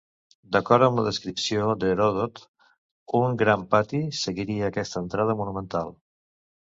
D'acord amb la descripció d'Heròdot, un gran pati seguiria aquesta entrada monumental.